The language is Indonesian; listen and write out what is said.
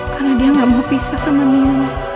karena dia gak mau pisah sama nino